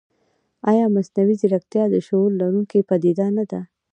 ایا مصنوعي ځیرکتیا د شعور لرونکې پدیده نه ده؟